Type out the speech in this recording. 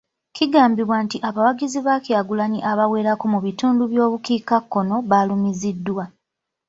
Kigambibwa nti abawagizi ba Kyagulanyi abawerako mu bitundu by'omu bukiika kkono baalumiziddwa.